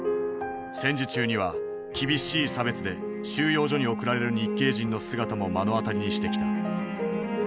戦時中には厳しい差別で収容所に送られる日系人の姿も目の当たりにしてきた。